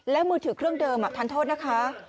และมือถือเครื่องเดิมทานโทษนะคะ